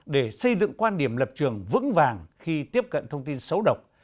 để xây dựng quan điểm lập trường vững vàng khi tiếp cận thông tin xấu độc